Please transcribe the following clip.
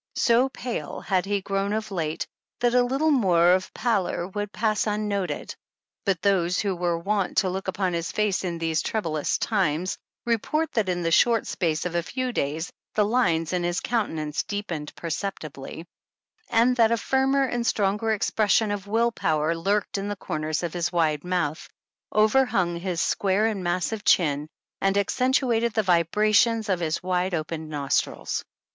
So pale had he grown of late that a little more of pallor would pass un noted, but those who were wont to look upon his face in these troublous times report that in the short space of a few days the lines in his countenance deepened perceptibly, and that a firmer^and stronger expression of will power lurked in the corners of his wide mouth, overhung his square and massive chin, and accentuated the vibrations of his wide opened nostrils.